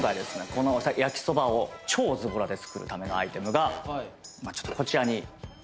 この焼きそばを超ズボラで作るためのアイテムがこちらに用意したこの。